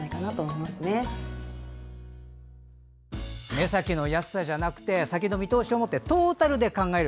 目先の安さじゃなくて先の見通しを持ってトータルで考える。